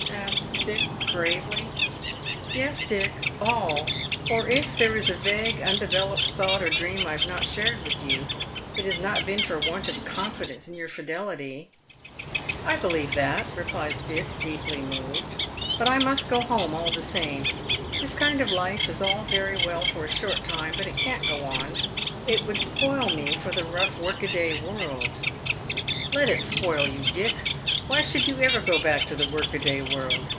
" asks Dick, gravely. " Y'cs, Dick, all — or if there is a vague, undeveloped thought or dream I have not shared with you, it has not been for want of confidence in y«ur fidelity." ^ I believe that," replies Dick, deeply movedL " But I must go 268 Dead Men's Shoes. home all the same. This kind of life is all very well for a short time, but it can't go on — it would spoil me for the rough work a day world." " Let it spoil you, Dick. Why should you ever go back to the work a day world